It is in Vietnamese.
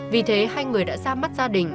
vì thế hai người đã ra mắt gia đình